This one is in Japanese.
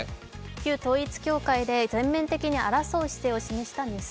旧統一教会で全面的に争う姿勢を示したニュース。